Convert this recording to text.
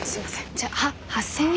じゃあ８，０００円。